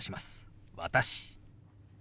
「私」。